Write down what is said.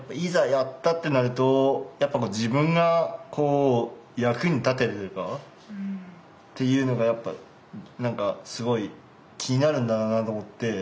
やったってなると自分がこう役に立ててるかっていうのがやっぱ何かすごい気になるんだろうなと思って。